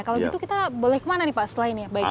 kalau gitu kita boleh ke mana nih pak selain ya